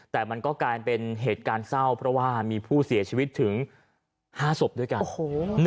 แต่มันก็กลายเป็นเหตุการณ์เศร้าเพราะว่ามีผู้เสียชีวิตถึง๕ศพด้วยกันโอ้โห